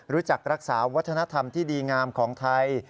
รู้จักรักษาวัฒนธรรมที่ดีงามของไทย